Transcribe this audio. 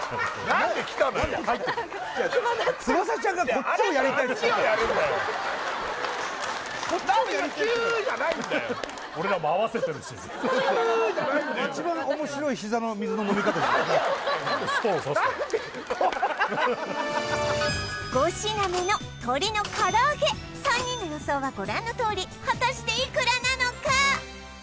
何で５品目の３人の予想はご覧のとおり果たしていくらなのか？